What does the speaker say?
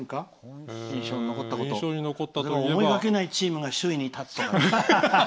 思いがけないチームが首位に立つとかね。